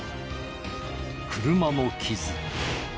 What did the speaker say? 車の傷。